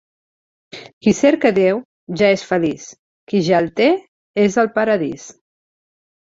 Qui cerca Déu ja és feliç; qui ja el té és al Paradís.